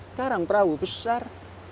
sekarang perahu besar